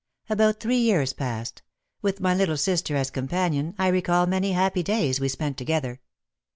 About three years passed. With my little sister as companion, I recall many happy days we spent together.